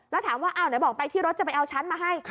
แล้วถามว่าอ้าวไหนบอกไปที่รถจะไปเอาชั้นมาให้